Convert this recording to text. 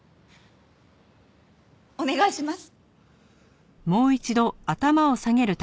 お願いします。